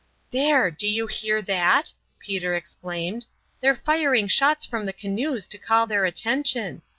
"There! do you hear that?" Peter exclaimed. "They're firing shots from the canoes to call their attention.